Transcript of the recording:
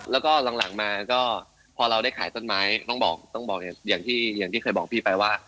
แล้วก็หลังมาก็พอเราได้ขายต้นไม้ต้องบอกต้องบอกอย่างที่เคยบอกพี่ไปว่า